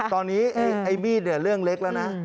ตอนนี้ไอ้มีดเรื่องเล็กแล้วนะ